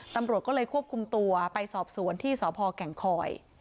ตำรวจก็เลยควบคุมตัวไปสอบสวนที่สพแก่งคอย